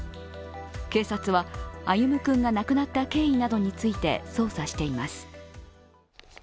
警察は、歩夢君が亡くなった経緯などについて捜査しています。